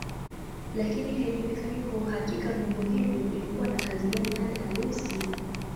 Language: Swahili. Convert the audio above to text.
Lakini haijulikani kwa uhakika vyombo hivyo vilikuwa na kazi gani hali halisi.